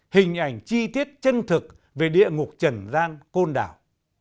hình ảnh chi tiết chân thực về địa ngục trần giang côn đảo